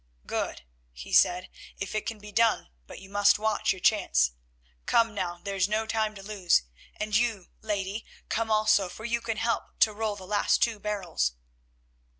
"Good," he said, "if it can be done, but you must watch your chance. Come, now, there is no time to lose. And you, lady, come also, for you can help to roll the last two barrels."